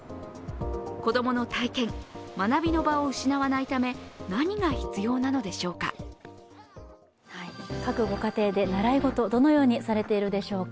子どもの体験、学びの場を失わないため何が必要なのでしょうか。